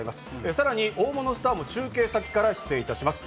さらに大物スターも中継先から出演します。